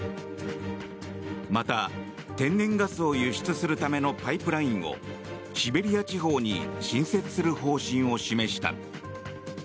また、天然ガスを輸出するためのパイプラインをシベリア地方に新設する方針を示した。